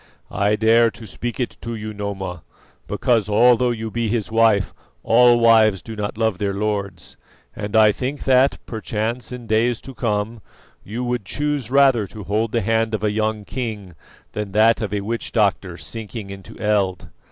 "I dare to speak it to you, Noma, because, although you be his wife, all wives do not love their lords; and I think that, perchance in days to come, you would choose rather to hold the hand of a young king than that of a witch doctor sinking into eld.